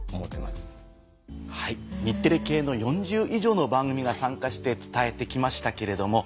日テレ系の４０以上の番組が参加して伝えて来ましたけれども。